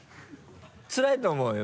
つらいと思うよ。